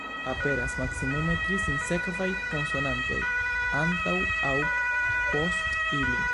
Aperas maksimume tri sinsekvaj konsonantoj antaŭ aŭ post ili.